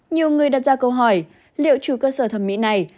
nhiều người đặt ra câu hỏi liệu chủ cơ sở thẩm mỹ này